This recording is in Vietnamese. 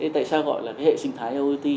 tại sao gọi là hệ sinh thái iot